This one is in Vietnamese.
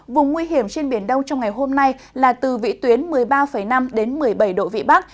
vùng nguy hiểm trên biển đông trong ngày hôm nay là từ vị tuyến một mươi ba năm đến một mươi bảy độ vị bắc